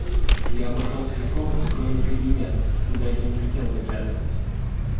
Я обошел все комнаты, кроме кабинета, куда я не хотел заглядывать.